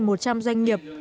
với tổng vốn đồng bằng bắc bộ